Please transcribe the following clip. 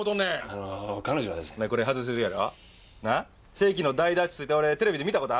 「世紀の大脱出」いうて俺テレビで見た事あるぞ。